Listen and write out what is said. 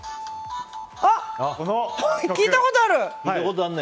聞いたことある！